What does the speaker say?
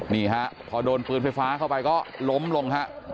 นี่ฮะพอโดนปืนไฟฟ้าเข้าไปก็ล้มลงฮะ